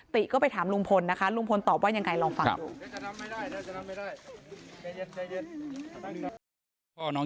ติก็ไปถามลุงพลนะคะลุงพลตอบว่ายังไงลองฟังดู